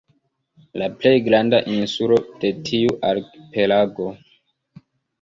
La plej granda insulo de tiu arkipelago.